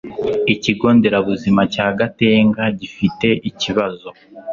ikigonderabuzima cya gatenga gifite ikibazo